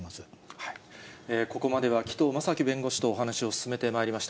ここまでは紀藤正樹弁護士とお話を進めてまいりました。